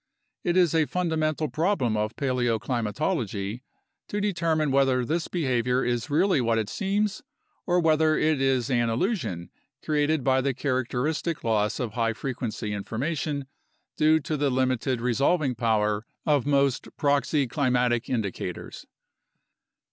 It is a fundamental problem of paleoclimatology to determine whether this behavior is really what it seems or whether it is an illusion created by the character istic loss of high frequency information due to the limited resolving power of most proxy climatic indicators.